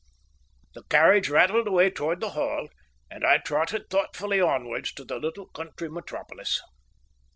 The carriage rattled away towards the Hall, and I trotted thoughtfully onwards to the little country metropolis.